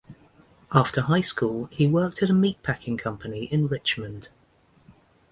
After high school, he worked at a meat packing company in Richmond.